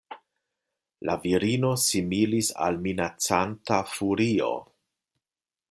La virino similis al minacanta furio.